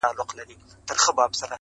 شکر چي هغه يمه شکر دی چي دی نه يمه